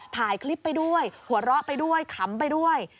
ถ่ายคลิปไปด้วยหัวเราะไปด้วยขำไปด้วย